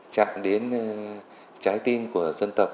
chạm đến trái tim của dân tộc